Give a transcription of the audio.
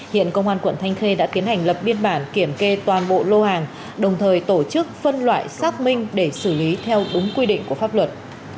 hiện công an quận thanh khê đã tiến hành lập biên bản kiểm kê toàn bộ lô hàng đồng thời tổ chức phân loại xác minh để xử lý theo đúng quy định của pháp luật